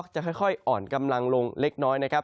จะค่อยอ่อนกำลังลงเล็กน้อยนะครับ